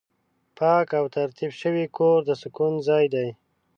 پاک او ترتیب شوی کور د سکون ځای دی.